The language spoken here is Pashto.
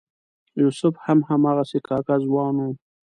یوسف هم هماغسې کاکه ځوان و.